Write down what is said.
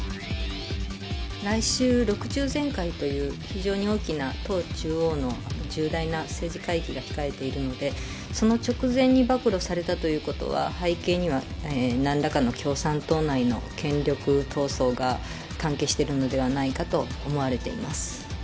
来週、６中全会という非常に大きな党中央の重大な政治会議が控えているので、その直前に暴露されたということは、背景にはなんらかの共産党内の権力闘争が関係してるのではないかと思われています。